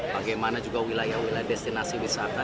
bagaimana juga wilayah wilayah destinasi wisata